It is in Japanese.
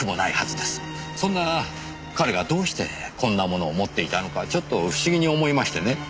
そんな彼がどうしてこんなものを持っていたのかちょっと不思議に思いましてね。